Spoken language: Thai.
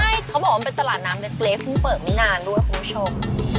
ใช่เขาบอกว่ามันเป็นตลาดน้ำเล็กเพิ่งเปิดไม่นานด้วยคุณผู้ชม